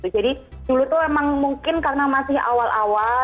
jadi dulu itu memang mungkin karena masih awal awal